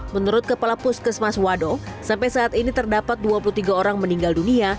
menurut kepala puskesmas wado sampai saat ini terdapat dua puluh tiga orang meninggal dunia